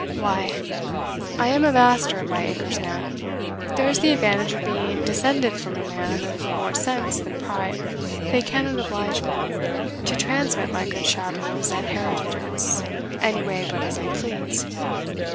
Why, I am master of my acres, man there is the advantage of being descended from a man of more sense than pride they cannot oblige me to transmit my goods chattels, and heritages, any way but as I please.